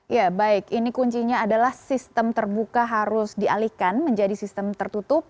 ya baik ini kuncinya adalah sistem terbuka harus dialihkan menjadi sistem tertutup